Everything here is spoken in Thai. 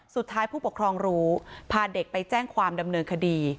สุดท้ายผู้ปกครองรู้พาเด็กไปแจ้งความดำเนินคดี